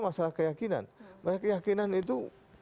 masalah keyakinan keyakinan itu